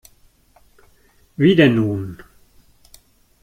Wie denn nun?